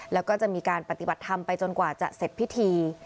แล้วก็จะมีการปฏิบัติธรรมไปจนกว่าจะเสร็จพิธี